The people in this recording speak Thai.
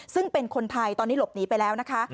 ซึ่งเป็นคนไทยตอนนี้หลบหนีไปแล้วนะคะ